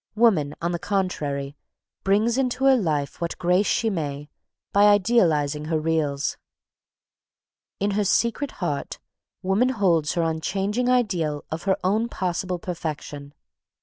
Woman, on the contrary, brings into her life what grace she may, by idealising her reals. In her secret heart, woman holds her unchanging ideal of her own possible perfection.